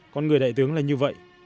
con người đại tướng là như vậy